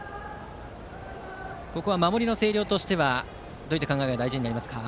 守りの星稜としてはどういった考えが大事になりますか。